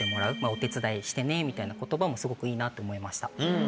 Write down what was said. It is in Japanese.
「お手伝いしてね」みたいな言葉もすごくいいなと思いました。